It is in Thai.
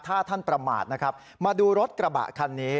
ถ้าท่านประมาทนะครับมาดูรถกระบะคันนี้